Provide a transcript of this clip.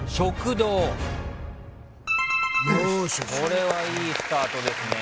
これはいいスタートですね。